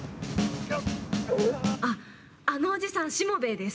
あっあのおじさんしもべえです。